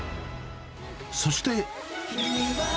そして。